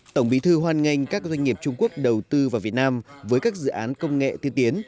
tổng bí thư hoan nghênh các doanh nghiệp trung quốc đầu tư vào việt nam với các dự án công nghệ tiên tiến